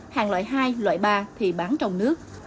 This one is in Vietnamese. hàng loại hai loại ba thì bán trong nước